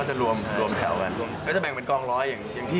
ตื่นตี๕อะ